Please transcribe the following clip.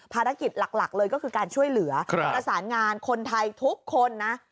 ภารกิจหลักเลยก็คือการช่วยเหลือประสานงานคนไทยทุกคนนะ